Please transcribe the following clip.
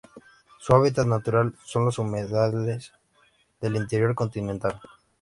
Su hábitat natural son los humedales del interior continental.